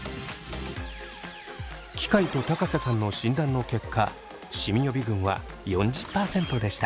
機械と瀬さんの診断の結果シミ予備軍は４０％でした。